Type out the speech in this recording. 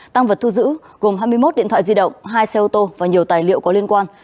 tăng vật thu giữ gồm hai mươi một điện thoại di động hai xe ô tô và nhiều tài liệu có liên quan